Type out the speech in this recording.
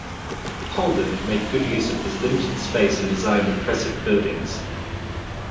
Holden made good use of this limited space and designed impressive buildings.